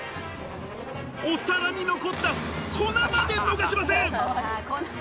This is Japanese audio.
お皿に残った粉まで逃しません。